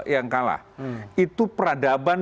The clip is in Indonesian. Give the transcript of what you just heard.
yang kalah itu peradaban